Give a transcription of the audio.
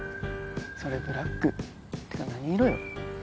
それブラックてか何色よ。